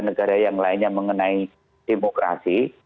negara yang lainnya mengenai demokrasi